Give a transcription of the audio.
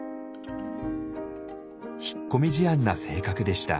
引っ込み思案な性格でした。